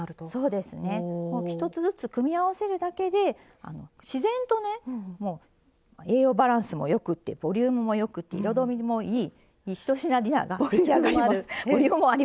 そうですね１つずつ組み合わせるだけで自然とね栄養バランスもよくてボリュームもよくて彩りもいい１品ディナーが出来上がります。